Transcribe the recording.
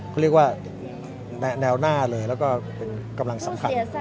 เขาเรียกว่าแนวหน้าเลยแล้วก็เป็นกำลังสำคัญ